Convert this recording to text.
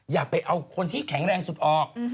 อย่าไปเอาคนที่แข็งแรงสุดออก